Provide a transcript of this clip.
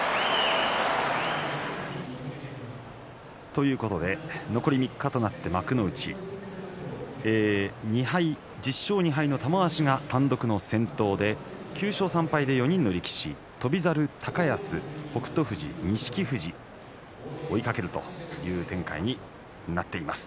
ということで残り３日となって、幕内１０勝２敗の玉鷲が単独の先頭で３敗で翔猿、高安、北勝富士錦富士追いかけるという展開になっています。